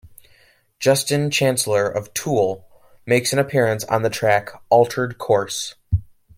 Justin Chancellor of Tool makes an appearance on the track, "Altered Course".